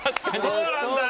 そうなんだよ。